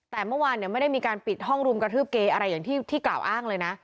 แต่เมื่อวานไม่ได้มีการปิดห้องรุมกระทืบเกย์อะไรอย่างที่กล่าวอ้างเลยนะ